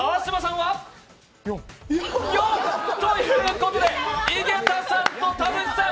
４。ということで井桁さんと田渕さん